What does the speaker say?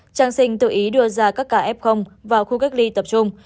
trang sinh tự ý đưa ra các ca f vào khu cách ly tập trung